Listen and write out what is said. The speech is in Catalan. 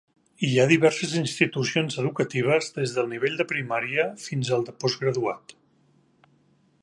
Hi ha diverses institucions educatives des del nivell de primària fins al de postgraduat.